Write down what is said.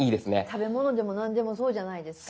食べ物でも何でもそうじゃないですか。